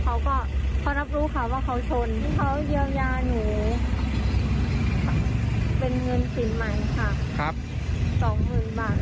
เขาก็รับรู้ค่ะว่าเขาชนที่เขาเยี่ยมยาหนู